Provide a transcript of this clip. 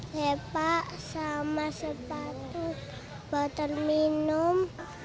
lepak sama sepatu botol minum